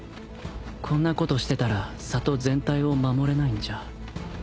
こんなことしてたら里全体を守れないんじゃ